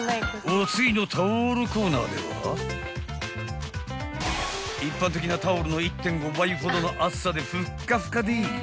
［お次のタオルコーナーでは一般的なタオルの１．５倍ほどの厚さでふっかふかでぇ！］